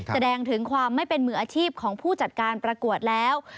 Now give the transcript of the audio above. แสดงถึงความไม่เป็นมืออาชีพของผู้จัดการประกวดแล้ว